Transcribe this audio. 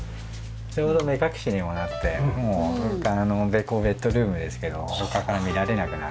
ちょうど目隠しにもなってここベッドルームですけど他から見られなくなるので。